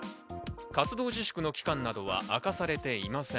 活動自粛の期間などは明かされていません。